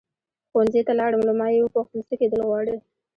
ښوونځي ته لاړم له ما یې وپوښتل څه کېدل غواړې.